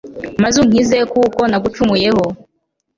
maze unkize, kuko nagucumuyeho